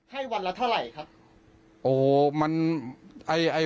ให้วันละเท่าไหร่ครับ